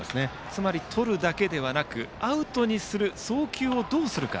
つまりとるだけでなくアウトにする送球をどうするか。